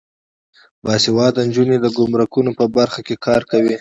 باسواده نجونې د ګمرکونو په برخه کې کار کوي.